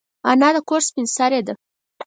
انا د کور سپین سرې ده